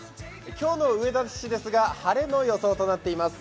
今日の上田市ですが、晴れの予想となっています。